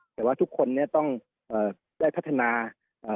แต่ว่าทุกคนเนี้ยต้องเอ่อได้พัฒนาอ่า